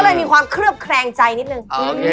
ก็เลยมีความเครื่องแครงใจนิดหนึ่ง